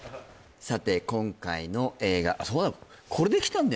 さて今回の映画そうだ